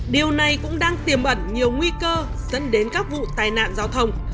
điều này cũng đang tiềm ẩn nhiều nguy cơ dẫn đến các vụ tai nạn giao thông